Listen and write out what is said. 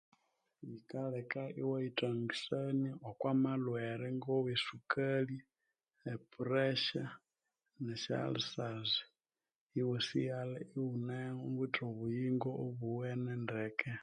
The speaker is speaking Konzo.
Bikaleka iwayithangisania okwa malhwere ngo we sukali epuresya ne syalisazi iwa sighalha ighu nawithe obuyingo obuwene ndeke